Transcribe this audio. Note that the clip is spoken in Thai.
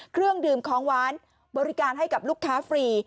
เครื่องดื่มของหวานบริการให้กับลูกค้าฟรี